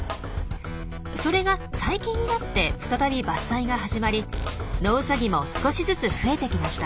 それが最近になって再び伐採が始まりノウサギも少しずつ増えてきました。